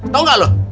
tau gak lu